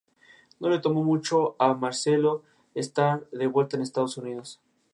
No le tomó mucho a Marcello estar de vuelta en Estados Unidos.